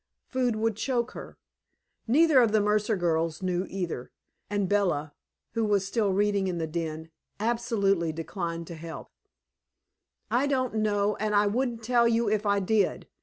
Food would choke her. Neither of the Mercer girls knew either, and Bella, who was still reading in the den, absolutely declined to help. "I don't know, and I wouldn't tell you if I did.